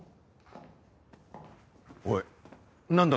おい何だ？